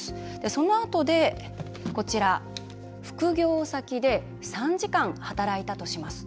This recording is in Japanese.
そのあとで、こちら副業先で３時間、働いたとします。